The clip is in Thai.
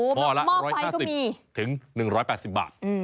หม้อแล้ว๑๕๐๑๘๐บาทหม้อละ๑๕๐๑๘๐บาท